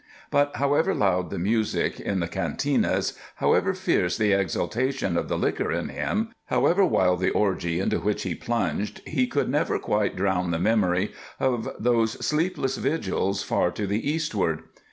But however loud the music in the cantinas, however fierce the exaltation of the liquor in him, however wild the orgy into which he plunged, he could never quite drown the memory of those sleepless vigils far to the eastward.